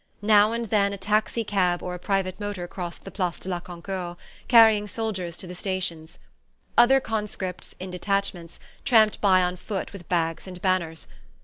Now and then a taxi cab or a private motor crossed the Place de la Concorde, carrying soldiers to the stations. Other conscripts, in detachments, tramped by on foot with bags and banners.